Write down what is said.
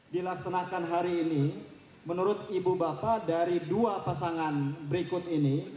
dilaksanakan hari ini menurut ibu bapak dari dua pasangan berikut ini